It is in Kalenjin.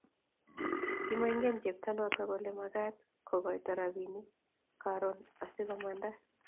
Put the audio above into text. kimaingen cheptonoto kole magaat kogoito robinik koron asigomandaa